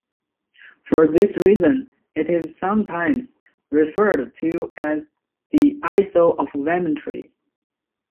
For this reason, it is sometimes referred to as the "Isle of Vementry".